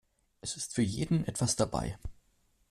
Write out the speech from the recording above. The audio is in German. Es ist für jeden etwas dabei.